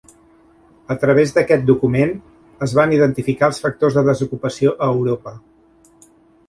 A través d'aquest document, es van identificar els factors de desocupació a Europa.